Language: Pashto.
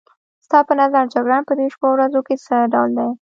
ستا په نظر جګړن په دې شپو او ورځو کې څه ډول دی؟